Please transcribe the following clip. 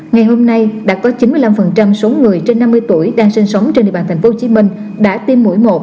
ngày hôm nay đã có chín mươi năm số người trên năm mươi tuổi đang sinh sống trên địa bàn tp hcm đã tiêm mũi một